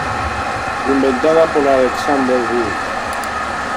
Inventada por Alexander Wood.